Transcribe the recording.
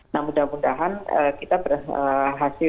nah mudah mudahan kita berhasil